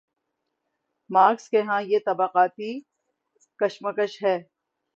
Marks کے ہاں یہ طبقاتی کشمکش ہے۔